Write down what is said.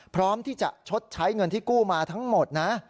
พร้อมที่จะชดใช้เงินที่กู้มาทั้งหมดนะ